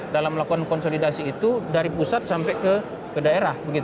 dalam melakukan konsolidasi itu dari pusat sampai ke daerah